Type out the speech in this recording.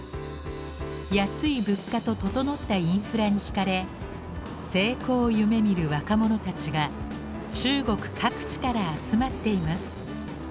安い物価と整ったインフラにひかれ成功を夢みる若者たちが中国各地から集まっています。